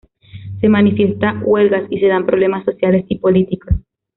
Se manifiestan huelgas y se dan problemas sociales y políticos.